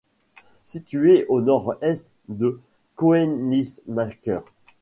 Situé au nord-est de Kœnigsmacker.